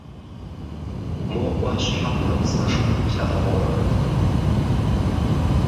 Мо Ӏуащхьэ папцӀэшхуэр плъагъурэ?